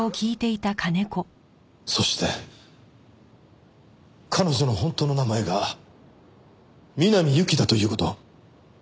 そして彼女の本当の名前が南侑希だという事。